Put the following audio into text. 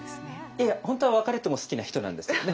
いや本当は「別れても好きな人」なんですけどね。